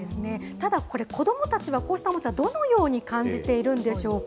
ただ、これ、子どもたちはこうしたおもちゃ、どのように感じているんでしょうか。